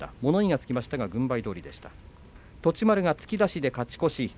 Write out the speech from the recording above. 栃丸が突き出し、勝ち越し。